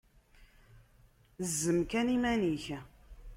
Zzem kan iman-ik!